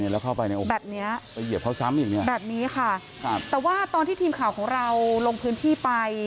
แล้วเข้าไปแบบนี้แบบนี้ค่ะตอนที่ทีมข่าวของเราลงพื้นที่ไป